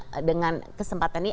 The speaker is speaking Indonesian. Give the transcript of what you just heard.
jadi bagaimana dengan kesempatan kita